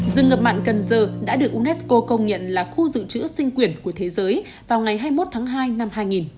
rừng ngập mặn cần giờ đã được unesco công nhận là khu dự trữ sinh quyển của thế giới vào ngày hai mươi một tháng hai năm hai nghìn